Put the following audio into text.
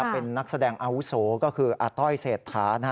เป็นนักแสดงอาวุโสก็คืออาต้อยเศรษฐา